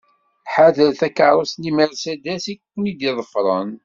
Ḥadret takeṛṛust-nni Mercedes i ken-id-iḍefren.